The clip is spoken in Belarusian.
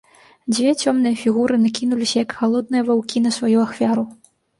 Дзве цёмныя фігуры накінуліся, як галодныя ваўкі, на сваю ахвяру.